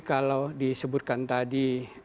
kalau disebutkan tadi